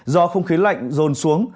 do không khí lạnh rôn xuống